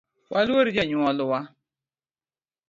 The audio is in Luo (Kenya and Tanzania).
Waluor jonyuol wa